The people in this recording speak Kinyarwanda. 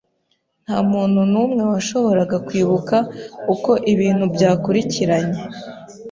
Ntamuntu numwe washoboraga kwibuka uko ibintu byakurikiranye.